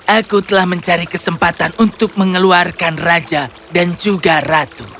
aku telah mencari kesempatan untuk mengeluarkan raja dan juga ratu